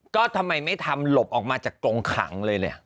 ก็ทำไมไม่ทำหลบออกมาจากกรงขังเลยเนี่ย